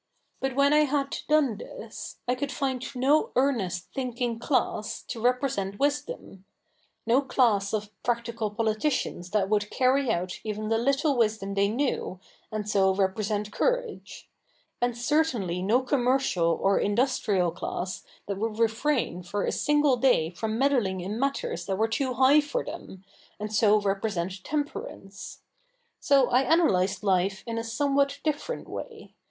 But when I had done this, I could find no earnest thinking class to represent wisdom ; no class of practical politicians that would carry out even the little wisdom they knew, and so represent courage ; and certainly no commercial or industrial class that would refrain for a single day from meddling in matters that were too high for them, and so represent temperance. So I analysed life in a somewhat different way.